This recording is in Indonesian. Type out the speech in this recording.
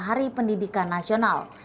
hari pendidikan nasional